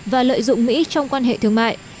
và lợi dụng mỹ trong quan hệ thương mại